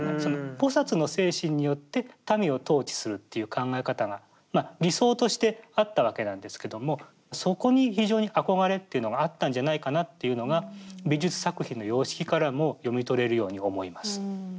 菩の精神によって民を統治するっていう考え方がまあ理想としてあったわけなんですけどもそこに非常に憧れっていうのがあったんじゃないかなっていうのが美術作品の様式からも読み取れるように思います。